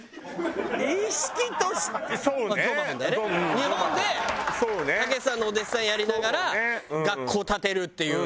日本でたけしさんのお弟子さんやりながら学校建てるっていう。